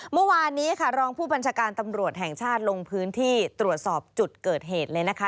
เมื่อวานนี้ค่ะรองผู้บัญชาการตำรวจแห่งชาติลงพื้นที่ตรวจสอบจุดเกิดเหตุเลยนะคะ